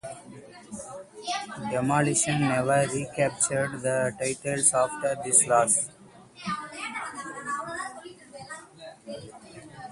Demolition never recaptured the titles after this loss.